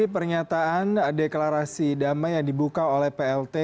pernyataan deklarasi damai yang dibuka oleh plt